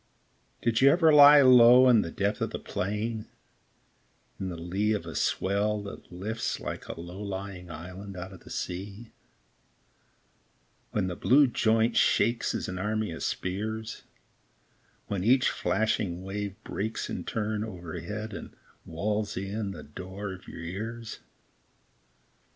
Did you ever lie low In the depth of the plain, & In the lee of a swell that lifts Like a low lying island out of the sea, When the blue joint shakes As an army of spears; When each flashing wave breaks In turn overhead And wails in the door of your ears